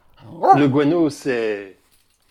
Le guano, c’est…